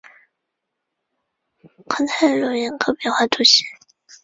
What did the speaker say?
康泰卢人口变化图示